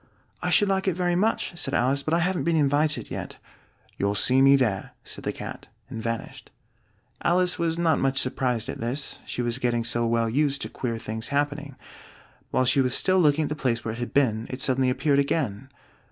"I should like it very much," said Alice, "but I haven't been invited yet." "You'll see me there," said the Cat, and vanished. Alice was not much surprised at this, she was getting so well used to queer things happening. While she was still looking at the place where it had been, it suddenly appeared again.